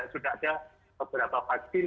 sudah ada beberapa vaksin